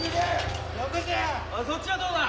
おいそっちはどうだ？